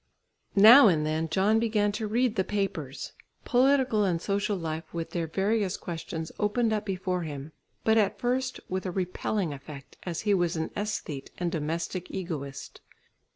Now and then John began to read the papers. Political and social life with their various questions opened up before him, but at first with a repelling effect, as he was an æsthete and domestic egoist.